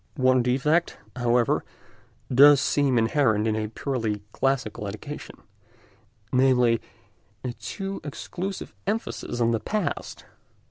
One defect, however, does seem inherent in a purely classical education—namely, a too exclusive emphasis on the past.